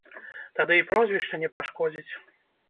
Тады і прозвішча не пашкодзіць.